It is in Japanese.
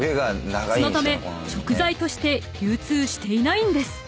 ［そのため食材として流通していないんです］